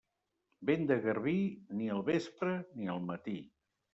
Vent de garbí? Ni al vespre ni al matí.